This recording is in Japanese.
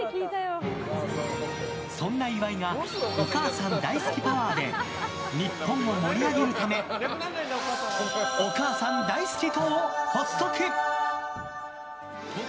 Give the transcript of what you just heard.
そんな岩井がお母さん大好きパワーで日本を盛り上げるためお母さん大好き党を発足。